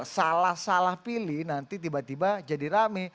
salah salah pilih nanti tiba tiba jadi rame